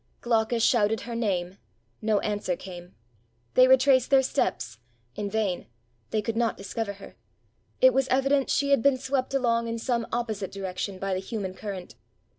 Glaucus shouted her name. No answer came. They retraced their steps — in vain: they could not dis cover her — it was evident she had been swept along in some opposite direction by the human current.